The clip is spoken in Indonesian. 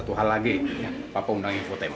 tuh itu dia om